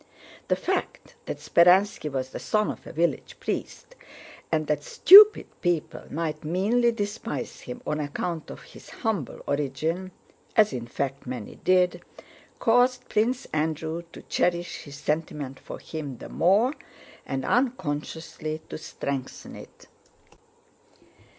The fact that Speránski was the son of a village priest, and that stupid people might meanly despise him on account of his humble origin (as in fact many did), caused Prince Andrew to cherish his sentiment for him the more, and unconsciously to strengthen it.